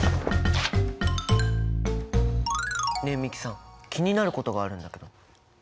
ねえ美樹さん気になることがあるんだけど。